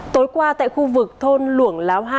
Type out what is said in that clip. tối qua tại khu vực thôn luổng láo hai